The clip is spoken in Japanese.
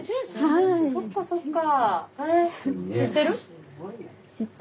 そっかそっか。